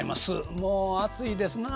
もう暑いですなあ。